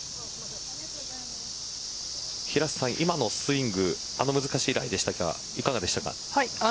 平瀬さん、今のスイングあの難しいライでしたがいかがでしたか。